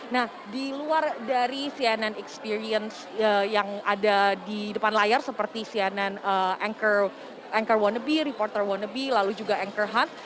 nah di luar dari cnn experience yang ada di depan layar seperti cnn anchor wannaby reporter wannabe lalu juga anchor hunt